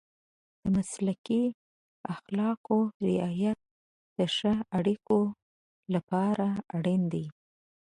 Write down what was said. د مسلکي اخلاقو رعایت د ښه اړیکو لپاره اړین دی.